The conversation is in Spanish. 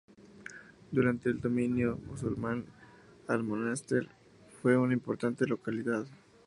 Durante el dominio musulmán Almonaster fue una importante localidad.